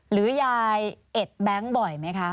หรือยายเอ็ดแบงค์บ่อยไหมคะ